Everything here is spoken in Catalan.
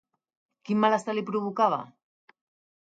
Quin malestar li provocava?